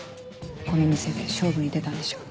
この店で勝負に出たんでしょう。